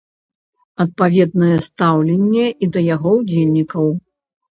Адпаведнае стаўленне і да яго ўдзельнікаў.